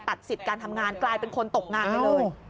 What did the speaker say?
สิทธิ์การทำงานกลายเป็นคนตกงานไปเลย